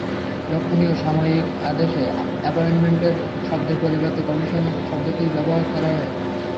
লক্ষণীয়, সাময়িক আদেশে অ্যাপয়েন্টমেন্ট শব্দের পরিবর্তে কমিশন শব্দটি ব্যবহার করা হয়।